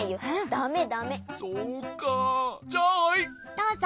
どうぞ。